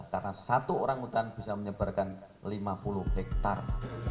karena satu orangutan bisa menyebarkan lima puluh hektare